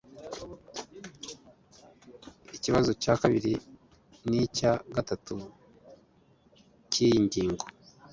ikibazo cya kabiri n icya gatatu cy iyi ngingo